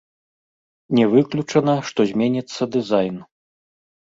Не выключана, што зменіцца дызайн.